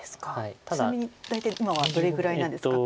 ちなみに大体今はどれぐらいなんですか黒。